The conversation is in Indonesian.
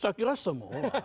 saya kira semua